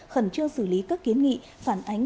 khẩn trương xử lý các kiến nghị phản ánh